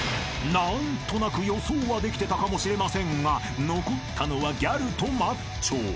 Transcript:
［何となく予想はできてたかもしれませんが残ったのはギャルとマッチョ］